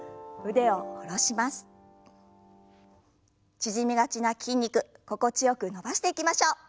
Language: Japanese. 縮みがちな筋肉心地よく伸ばしていきましょう。